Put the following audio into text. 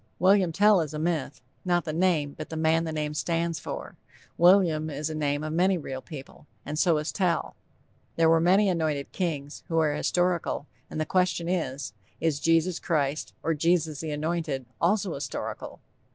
William Tell is a myth not the name, but the man the name stands for. William is the name of many real people, and so is Tell. There were many anointed kings, who are historical, and the question is, Is Jesus Christ or Jesus the Anointed also historical?